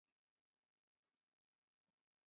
白斑小孔蟾鱼的图片